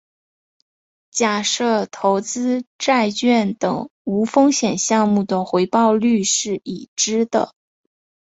假设投资债券等无风险项目的回报率是已知的。